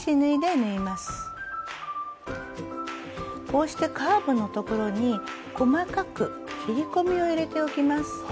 こうしてカーブの所に細かく切り込みを入れておきます。